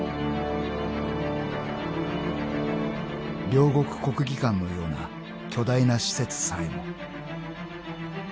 ［両国国技館のような巨大な施設さえも］